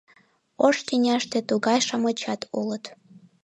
— Ош тӱняште тугай-шамычат улыт...